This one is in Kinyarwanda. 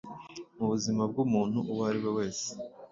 Mu buzima bw’umuntu uwo ari we wese,